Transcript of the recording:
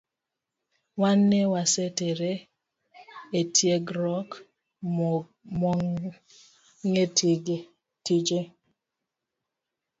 Wan ne wasetere etiegruok mong’e tije